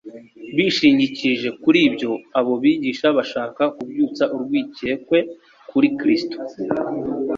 Bishingikirije kuri ibyo, abo bigisha bashakaga kubyutsa urwikekwe kuri Kristo